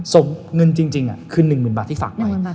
ส่งเงินจริงคือ๑๐๐๐บาทที่ฝากใหม่